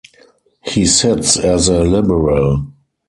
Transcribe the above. He sits as a Liberal.